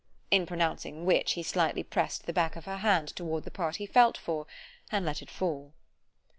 _——In pronouncing which, he slightly press'd the back of her hand towards the part he felt for——and let it fall.